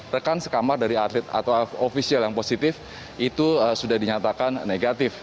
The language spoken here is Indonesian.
rekan sekamar dari atlet atau ofisial yang positif itu sudah dinyatakan negatif